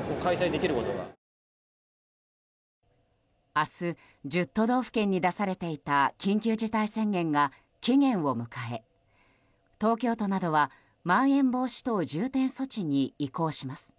明日、１０都道府県に出されていた緊急事態宣言が期限を迎え東京都などはまん延防止等重点措置に移行します。